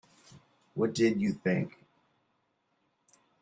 What did you think?